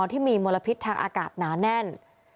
ที่มีมลพิษทางอากาศหนาแน่น